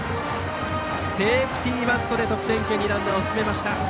セーフティーバントで得点圏にランナーを進めました。